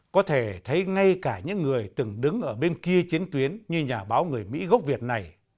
có thể thấy ngay cả những người từng đứng ở bên kia chiến tuyến như nhà báo người mỹ gốc việt này